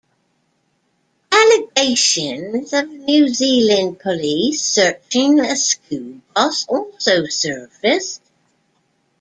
Allegations of New Zealand Police searching a school bus also surfaced.